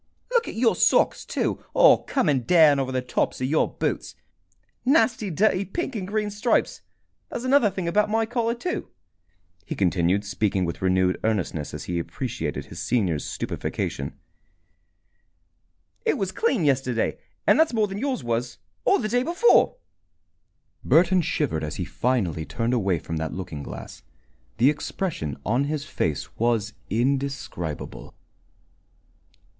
Look at your socks, too, all coming down over the tops of your boots! Nasty dirty pink and green stripes! There's another thing about my collar, too," he continued, speaking with renewed earnestness as he appreciated his senior's stupefaction. "It was clean yesterday, and that's more than yours was or the day before!" Burton shivered as he finally turned away from that looking glass. The expression upon his face was indescribable.